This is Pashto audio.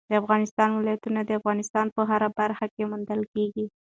د افغانستان ولايتونه د افغانستان په هره برخه کې موندل کېږي.